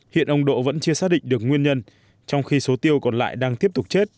hiện ông đỗ vẫn chưa xác định được nguyên nhân trong khi số tiêu còn lại đang tiếp tục chết